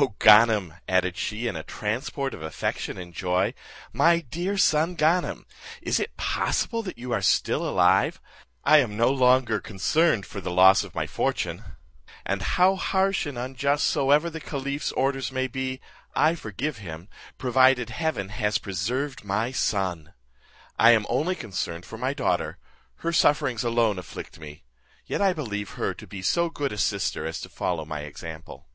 O Ganem!" added she, in a transport of affection and joy, "my dear son Ganem! is possible that you are still alive? I am no longer concerned for the loss of my fortune; and how harsh and unjust soever the caliph's orders may be, I forgive him, provided heaven has preserved my son. I am only concerned for my daughter; her sufferings alone afflict me; yet I believe her to be so good a sister as to follow my example."